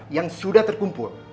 yang sudah terkumpul